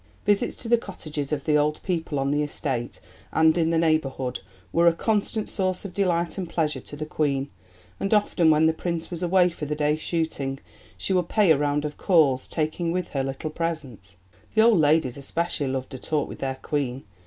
Visits to the cottages of the old people on the estate and in the neighbourhood were a constant source of delight and pleasure to the Queen, and often when the Prince was away for the day shooting, she would pay a round of calls, taking with her little presents. The old ladies especially loved a talk with their Queen.